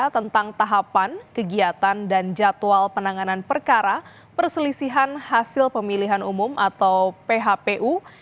tentang tahapan kegiatan dan jadwal penanganan perkara perselisihan hasil pemilihan umum atau phpu